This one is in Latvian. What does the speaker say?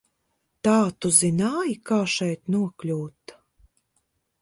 Tā tu zināji, kā šeit nokļūt?